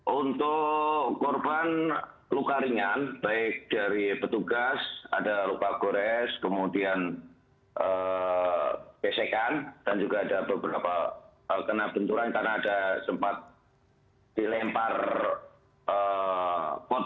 untuk korban luka ringan baik dari petugas ada luka gores kemudian gesekan dan juga ada beberapa kena benturan karena ada sempat dilempar potong